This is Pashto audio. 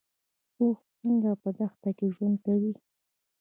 اوښ څنګه په دښته کې ژوند کوي؟